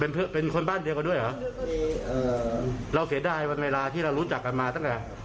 เป็นเพื่อนเป็นคนบ้านเดียวกันด้วยเหรอเราเสียดายวันเวลาที่เรารู้จักกันมาตั้งแต่